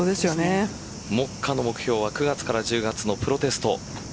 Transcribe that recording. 目下の目標は９月から１０月のプロテスト。